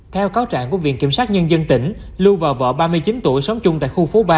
theo cáo trạng của viện kiểm sát nhân dân tỉnh lưu và vợ ba mươi chín tuổi sống chung tại khu phố ba